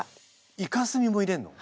イカスミも入れんの！？